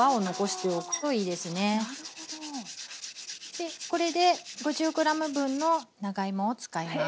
でこれで５０ｇ分の長芋を使います。